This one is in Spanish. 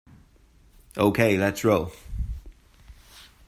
Okay, let's roll!